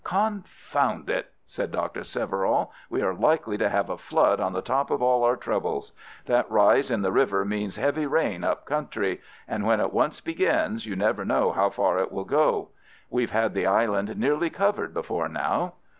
"Confound it!" said Doctor Severall. "We are likely to have a flood on the top of all our troubles. That rise in the river means heavy rain up country, and when it once begins you never know how far it will go. We've had the island nearly covered before now.